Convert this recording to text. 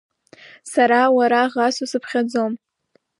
Сара уара ӷас усыԥхьаӡом.